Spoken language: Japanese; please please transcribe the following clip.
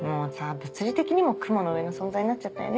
物理的にも雲の上の存在になっちゃったよね。